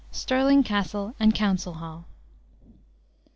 Stirling Castle and Council Hall.